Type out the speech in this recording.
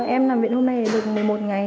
em làm viện hôm nay được một mươi một ngày